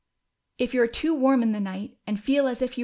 If you are too Avarm in the night, and feel as if 269